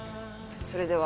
それでは。